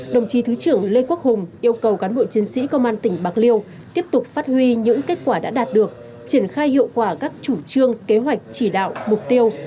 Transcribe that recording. đồng chí thứ trưởng lê quốc hùng yêu cầu cán bộ chiến sĩ công an tỉnh bạc liêu tiếp tục phát huy những kết quả đã đạt được triển khai hiệu quả các chủ trương kế hoạch chỉ đạo mục tiêu